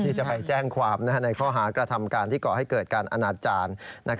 ที่จะไปแจ้งความในข้อหากระทำการที่ก่อให้เกิดการอนาจารย์